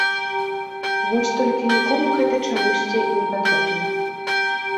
Вось толькі нікому гэта чамусьці не патрэбна.